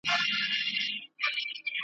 لکه شمع په خپل ځان کي ویلېدمه `